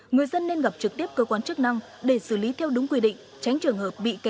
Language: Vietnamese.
người dân nên gặp trực tiếp cơ quan chức năng để xử lý theo đúng quy định